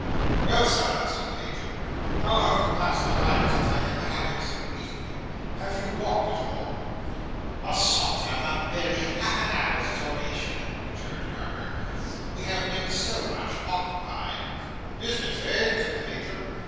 "Well, Sir!" said the Major. "How have you passed the time since I had the happiness of meeting you? Have you walked at all?" "A saunter of barely half an hour's duration," returned Carker. "We have been so much occupied." "Business, eh?" said the Major.